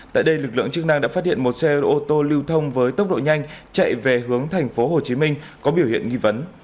tại đây lực lượng chức năng đã phát hiện một xe ô tô lưu thông với tốc độ nhanh chạy về hướng thành phố hồ chí minh có biểu hiện nghi vấn